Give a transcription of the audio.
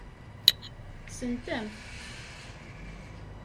Kksen-am-t.